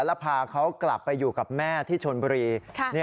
แล้วพาเขากลับไปอยู่กับแม่ที่ชนบุรี